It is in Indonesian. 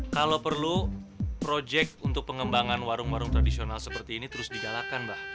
kalau perlu proyek untuk pengembangan warung warung tradisional seperti ini terus digalakan mbak